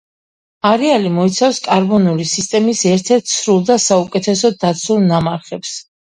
არეალი მოიცავს კარბონული სისტემის ერთ-ერთ სრულ და საუკეთესოდ დაცულ ნამარხებს.